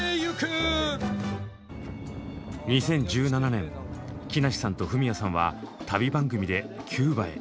２０１７年木梨さんとフミヤさんは旅番組でキューバへ。